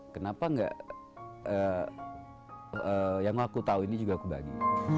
kenapa enggak eh yang aku tahu ini juga kebagi